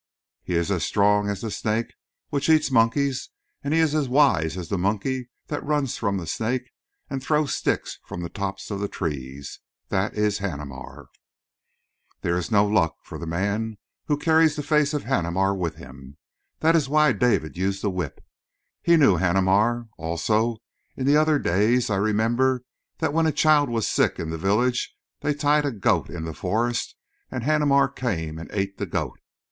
He is as strong as the snake which eats monkeys, and he is as wise as the monkeys that run from the snake and throw sticks from the tops of the trees. That is Haneemar. "There is no luck for the man who carries the face of Haneemar with him. That is why David used the whip. He knew Haneemar. Also, in the other days I remember that when a child was sick in the village they tied a goat in the forest and Haneemar came and ate the goat.